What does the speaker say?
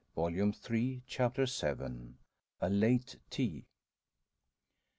Volume Three, Chapter VII. A LATE TEA.